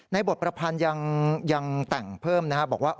บทประพันธ์ยังแต่งเพิ่มนะครับบอกว่า